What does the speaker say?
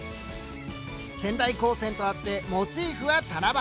仙台高専とあってモチーフは七夕。